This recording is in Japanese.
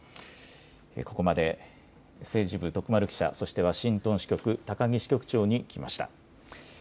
ここまで政治部、徳丸記者、そしてワシントン支局、高木支局長に聞きました。